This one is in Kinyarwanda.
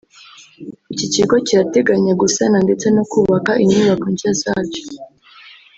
iki kigo kirateganya gusana ndetse no kubaka inyubako nshya zacyo